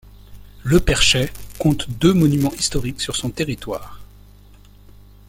Le Perchay compte deux monuments historiques sur son territoire.